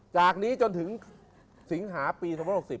จากนี้จนถึงสิงหาปี๒๖๐